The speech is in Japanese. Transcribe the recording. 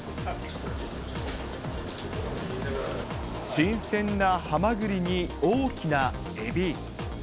新鮮なハマグリに大きなエビ。